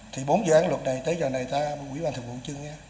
thì bốn dự án luật này tới giờ này ta cũng quý bàn thường vụ chưa nghe